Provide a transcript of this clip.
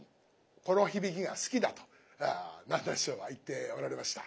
この響きが好きだと南なん師匠は言っておられました。